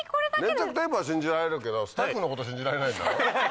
粘着テープは信じられるけどスタッフのこと信じられないんだろ？